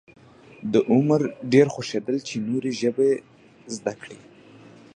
د عمر ډېر خوښېدل چې نورې ژبې زده کړي.